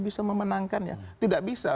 bisa memenangkannya tidak bisa